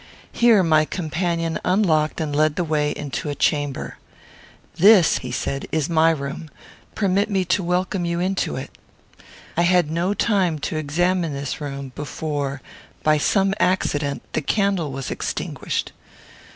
Here my companion unlocked and led the way into a chamber. "This," said he, "is my room; permit me to welcome you into it." I had no time to examine this room before, by some accident, the candle was extinguished.